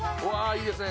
いいですね。